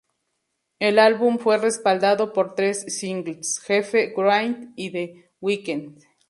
El álbum fue respaldado por tres singles "Jefe", "Wraith" y "The Weekend".